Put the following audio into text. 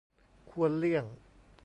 ควรเลี่ยง